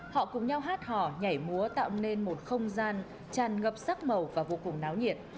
họ cùng nhau hát hò nhảy múa tạo nên một không gian tràn ngập sắc màu và vô cùng náo nhiệt